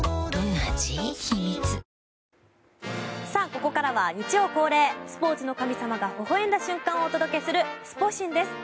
ここからは日曜恒例スポーツの神様がほほ笑んだ瞬間をお届けするスポ神です。